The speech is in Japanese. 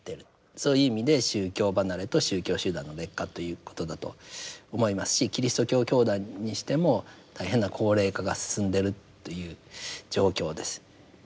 そういう意味で宗教離れと宗教集団の劣化ということだと思いますしキリスト教教団にしても大変な高齢化が進んでいるという状況です。